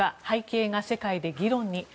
背景が世界で議論に。